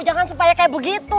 jangan supaya kayak begitu